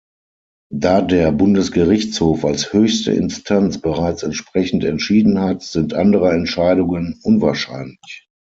Da der Bundesgerichtshof als höchste Instanz bereits entsprechend entschieden hat, sind andere Entscheidungen unwahrscheinlich.